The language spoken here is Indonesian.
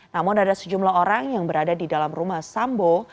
namun ada sejumlah orang yang berada di dalam rumah sambo